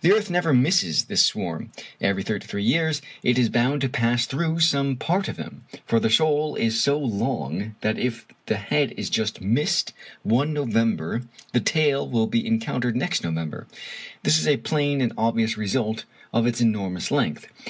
The earth never misses this swarm. Every thirty three years it is bound to pass through some part of them, for the shoal is so long that if the head is just missed one November the tail will be encountered next November. This is a plain and obvious result of its enormous length.